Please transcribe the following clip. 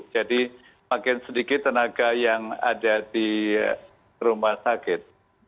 jadi makin sedikit tenaga yang ada di rumah sakit